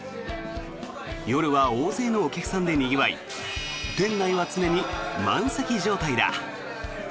夜は大勢のお客さんでにぎわい店内は常に満席状態だ。